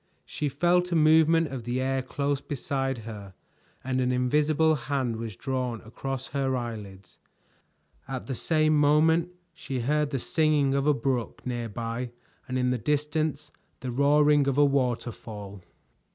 She felt a movement of the air close beside her and an invisible hand was drawn across her eyelids. At the same moment she heard the singing of a brook near by and in the distance the roaring of a waterfall.